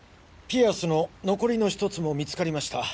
ピアスの残りのひとつも見つかりました。